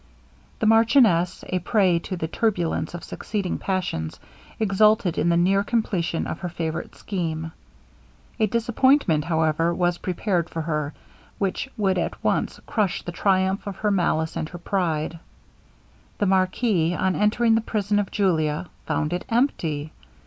The marchioness, a prey to the turbulence of succeeding passions, exulted in the near completion of her favorite scheme. A disappointment, however, was prepared for her, which would at once crush the triumph of her malice and her pride. The marquis, on entering the prison of Julia, found it empty!